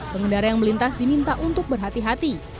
pengendara yang melintas diminta untuk berhati hati